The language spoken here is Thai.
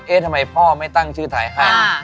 เตยทำไมพ่อไม่ตั้งชื่อไทยให้